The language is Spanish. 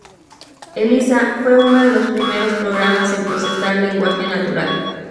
Eliza fue uno de los primeros programas en procesar lenguaje natural.